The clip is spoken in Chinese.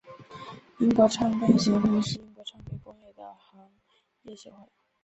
英国唱片业协会是英国唱片工业的行业协会。